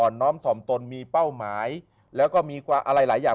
น้อมถ่อมตนมีเป้าหมายแล้วก็มีอะไรหลายอย่าง